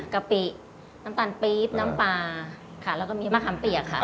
กะปิน้ำตาลปี๊บน้ำปลาค่ะแล้วก็มีมะขามเปียกค่ะ